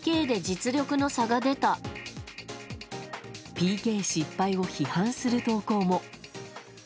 ＰＫ失敗を批判する投稿も。